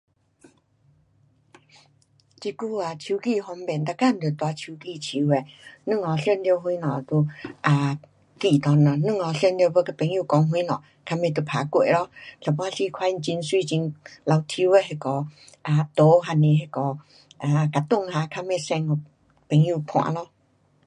um 这久啊手机方便，每天都带手机手的。两下想到什么 um 就记里边咯，两下要跟朋友说什么，较快就大过咯。有半时看见很美很滑稽的那个 um 图还是那个 um cartoon um 赶紧 send 给朋友看咯。